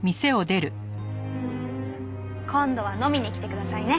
今度は飲みに来てくださいね。